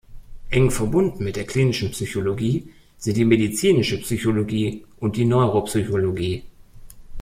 Eng verbunden mit der Klinischen Psychologie sind die Medizinische Psychologie und die Neuropsychologie.